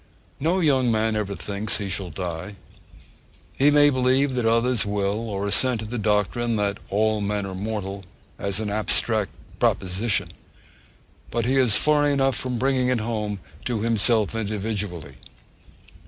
No young man ever thinks he shall die. He may believe that others will, or assent to the doctrine that 'all men are mortal' as an abstract proposition, but he is far enough from bringing it home to himself individually.